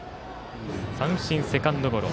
三振、セカンドゴロ。